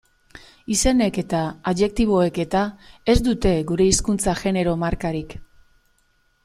Izenek eta adjektiboek eta ez dute gure hizkuntzan genero markarik.